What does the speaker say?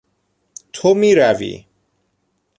تو میروی